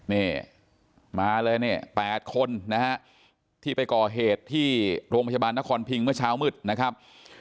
นี่มาเลยเนี่ย๘คนนะฮะที่ไปก่อเหตุที่โรงพยาบาลนครพิงเมื่อเช้ามืดนะครับ